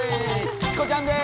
チコちゃんです。